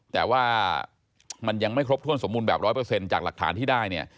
แต่ว่ามันยังไม่ครบถ้วนสมบูรณ์แบบ๑๐๐จากหลักฐานที่ได้เนี่ย